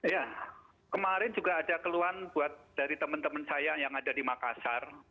ya kemarin juga ada keluhan buat dari teman teman saya yang ada di makassar